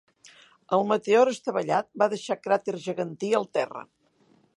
El meteor estavellat va deixar cràter gegantí al terra.